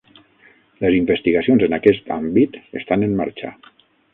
Les investigacions en aquest àmbit estan en marxa.